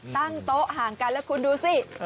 ตั้งโต๊ะห่างกันแล้วคุณดูสิ